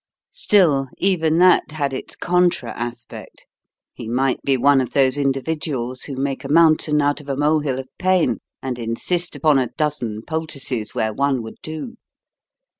Still, even that had its contra aspect. He might be one of those individuals who make a mountain out of a molehill of pain, and insist upon a dozen poultices where one would do.